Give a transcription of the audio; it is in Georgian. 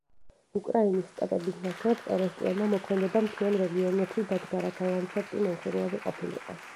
უკრაინის სტეპების ნაცვლად, პერესტიანმა მოქმედება მთიან რეგიონებში დადგა, რათა ლანდშაფტი მომხიბლავი ყოფილიყო.